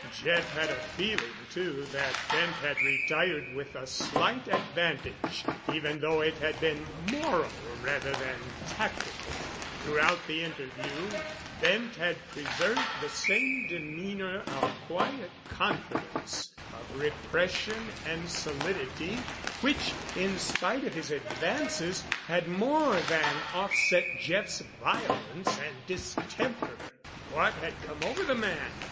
Jeff had a feeling, too, that Bent had retired with a slight advantage, even though it had been moral rather than tactical. Throughout the interview Bent had preserved the same demeanor of quiet confidence, of repression and solidity, which, in spite of his advances, had more than offset Jeff's violence and distemper. What had come over the man?